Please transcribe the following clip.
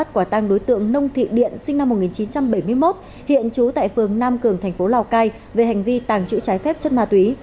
quả tăng đối tượng nông thị điện sinh năm một nghìn chín trăm bảy mươi một hiện trú tại phường nam cường thành phố lào cai về hành vi tàng trữ trái phép chất ma túy